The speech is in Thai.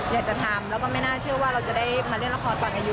อยากจะทำแล้วก็ไม่น่าเชื่อว่าเราจะได้มาเล่นละครตอนอายุ